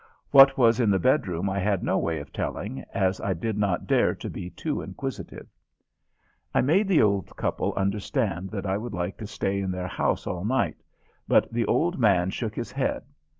What was in the bedroom I had no way of telling, as I did not dare to be too inquisitive. I made the old couple understand that I would like to stay in their house all night, but the old man shook his head.